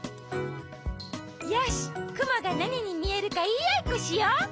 よしくもがなににみえるかいいあいっこしよう！